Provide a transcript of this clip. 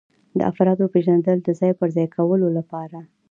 د افرادو پیژندل د ځای پر ځای کولو لپاره.